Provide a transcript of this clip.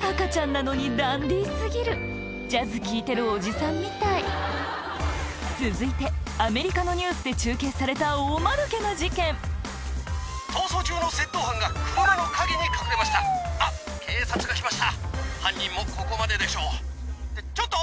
赤ちゃんなのにダンディー過ぎるジャズ聴いてるおじさんみたい続いてアメリカのニュースで中継されたおマヌケな事件・逃走中の窃盗犯が車の陰に隠れました・・あっ警察が来ました犯人もここまででしょう・・ってちょっと！